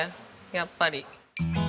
やっぱり。